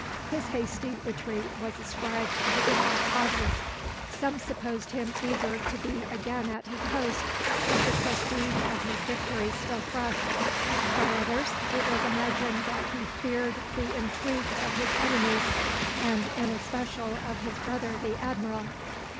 His hasty retreat was ascribed to different causes. Some supposed him eager to be again at his post, with the prestige of his victory still fresh. By others it was imagined that he feared the intrigues of his enemies, and in especial of his brother the Admiral.